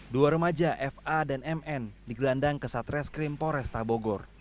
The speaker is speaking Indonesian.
dua remaja fa dan mn digelandang ke satres krimpores tabogor